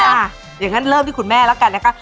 อย่างนั้นเริ่มที่คุณแม่แล้วกันนะคะ